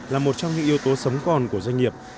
là một trong những yếu tố sống còn của doanh nghiệp